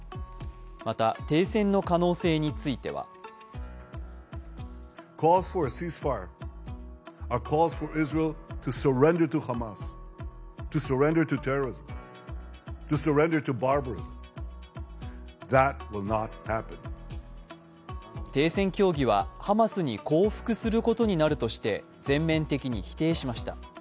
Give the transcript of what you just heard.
また、停戦の可能性については停戦協議はハマスに降伏することになるとして全面的に否定しました。